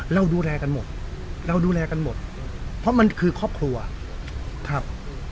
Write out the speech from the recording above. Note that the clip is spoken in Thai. เราดูแลกันหมดเราดูแลกันหมดเพราะมันคือครอบครัวครับ